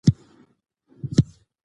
موږ د خپلو ادیبانو په نومونو فخر کوو.